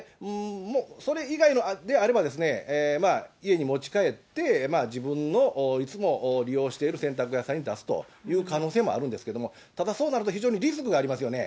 それ以外であれば、家に持ち帰って、自分のいつも利用している洗濯屋さんに出すという可能性はあるんですけれども、ただ、そうなると非常にリスクがありますよね。